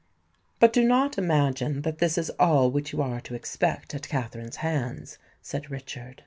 "But do not imagine that this is all which you are to expect at Katherine's hands," said Richard.